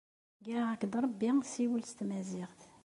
Greɣ-ak-d rebbi ssiwel s tmaziɣt